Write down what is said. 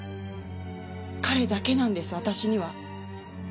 彼だけなんです私には。